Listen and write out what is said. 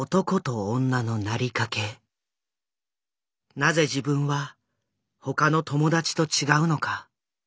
なぜ自分は他の友達と違うのか？